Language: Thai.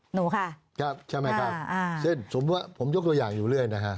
หนูค่ะครับใช่ไหมครับเช่นสมมุติว่าผมยกตัวอย่างอยู่เรื่อยนะฮะ